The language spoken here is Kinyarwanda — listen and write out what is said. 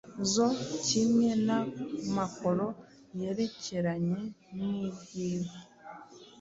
zo kimwe n' amakoro yerekeranye n'iby'inka